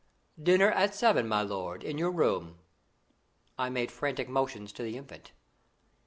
"Dinner at seven, my lord, in your room." I made frantic motions to the Infant.